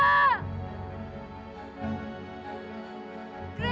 katagu punya lengkungan